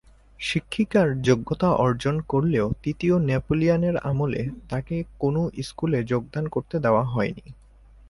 শিক্ষিকার যোগ্যতা অর্জন করলেও তৃতীয় নেপোলিয়নের আমলে তাকে কোনো স্কুলে যোগদান করতে দেওয়া হয়নি।